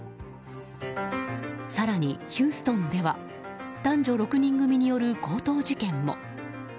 更にヒューストンでは男女６人組による強盗事件も。